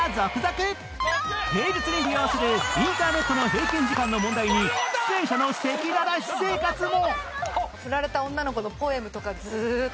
平日に利用するインターネットの平均時間の問題に出演者の赤裸々私生活も